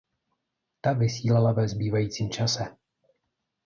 Ta vysílala ve zbývajícím čase.